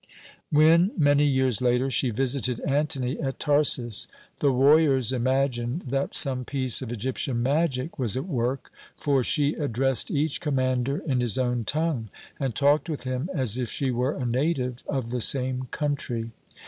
"When, many years later, she visited Antony at Tarsus, the warriors imagined that some piece of Egyptian magic was at work, for she addressed each commander in his own tongue, and talked with him as if she were a native of the same country.